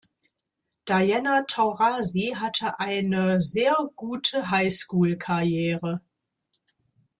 Diana Taurasi hatte eine sehr gute High-School-Karriere.